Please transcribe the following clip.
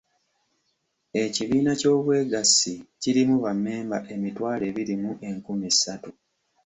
Ekibiina ky'obwegassi kirimu bammemba emitwalo ebiri mu enkumi ssatu.